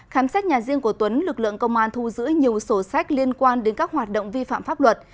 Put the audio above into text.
khám xét nhà riêng của tuấn lực lượng công an thu giữ nhiều sổ sách liên quan đến các hoạt động vi phạm pháp luật